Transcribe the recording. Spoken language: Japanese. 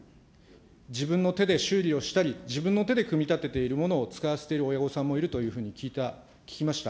自分の手で修理をしたり、自分の手で組み立てているものを使わせている親御さんもいるというふうに聞いた、聞きました。